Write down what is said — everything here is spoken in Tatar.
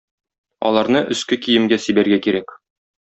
Аларны өске киемгә сибәргә кирәк.